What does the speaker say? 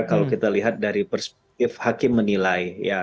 kalau kita lihat dari perspektif hakim menilai